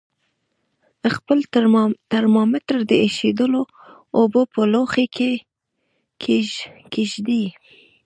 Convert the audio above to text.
خپل ترمامتر د ایشېدلو اوبو په لوښي کې کیږدئ.